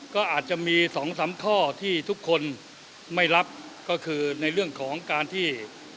ก็อาจจะมีสองสามข้อที่ทุกคนไม่รับก็คือในเรื่องของการที่